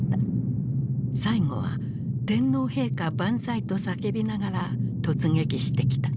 最後は「天皇陛下万歳」と叫びながら突撃してきた。